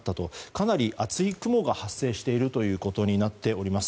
かなり厚い雲が発生しているということになっております。